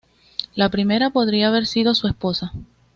La primera podría haber sido su esposa.